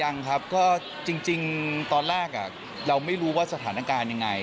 ยังครับก็จริงตอนแรกเราไม่รู้ว่าสถานการณ์ยังไง